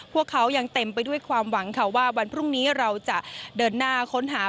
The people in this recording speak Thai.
พวกเขายังเต็มไปด้วยความหวังค่ะว่าวันพรุ่งนี้เราจะเดินหน้าค้นหา